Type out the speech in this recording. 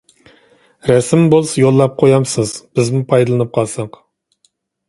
رەسىمى بولسا يوللاپ قويامسىز؟ بىزمۇ پايدىلىنىپ قالساق.